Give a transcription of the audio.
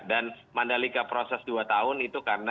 dan mandalika proses dua tahun itu karena